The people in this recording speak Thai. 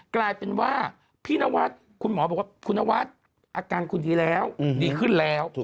กลายเป็นว่าพี่นวัดคุณหมอบอกว่าคุณนวัดอาการคุณดีแล้วดีขึ้นแล้ว